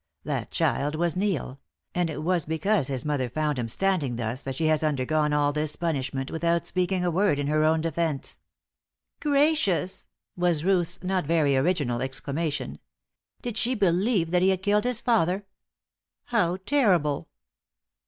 That child was Neil; and it was because his mother found him standing thus that she has undergone all this punishment without speaking a word in her own defence." "Gracious!" was Ruth's not very original exclamation. "Did she believe that he had killed his father? How terrible!"